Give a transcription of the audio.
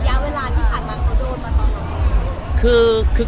ตัยาเวลาที่ผ่านมาแล้วเขาจะโดนกับเรา